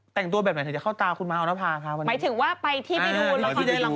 แต่งตัวแบบไหนเธอจะเข้าตาคุณมหาวนภาค่ะวันนี้หมายถึงว่าไปที่ไปดู